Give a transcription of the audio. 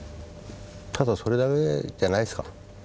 ただそれだけじゃないですか。